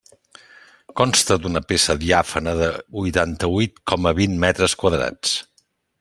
Consta d'una peça diàfana de huitanta-huit coma vint metres quadrats.